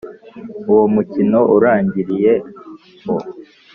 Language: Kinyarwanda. uwo umukino urangiriyeho